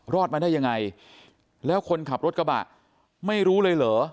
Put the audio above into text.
รอดมาได้ยังไงแล้วคนขับรถกระบะไม่รู้เลยเหรอ